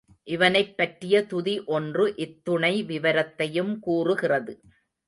இவனைப் பற்றிய துதி ஒன்று இத்துணை விவரத்தையும் கூறுகிறது.